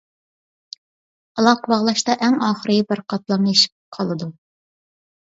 ئالاقە باغلاشتا ئەڭ ئاخىرى بىر قاتلام ئېشىپ قالىدۇ.